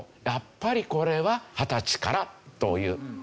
やっぱりこれは２０歳からという。